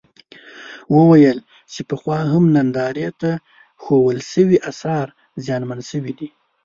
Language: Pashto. وویل چې پخوا هم نندارې ته اېښودل شوي اثار زیانمن شوي دي.